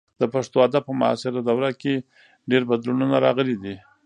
د پښتو ادب په معاصره دوره کې ډېر بدلونونه راغلي دي.